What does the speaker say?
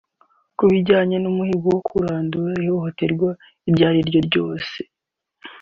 Ku birebana n’umuhigo wo kurandura ihohoterwa iryariryo ryose